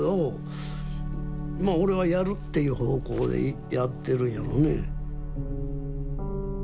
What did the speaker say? まあ俺はやるっていう方向でやってるんやろね。